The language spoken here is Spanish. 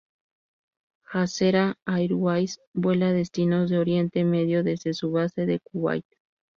Jazeera Airways vuela destinos de Oriente Medio desde su base de Kuwait.